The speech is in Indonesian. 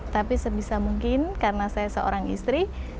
tapi sebisa mungkin karena saya seorang istri